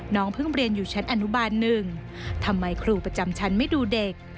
เพิ่งเรียนอยู่ชั้นอนุบาลหนึ่งทำไมครูประจำชั้นไม่ดูเด็ก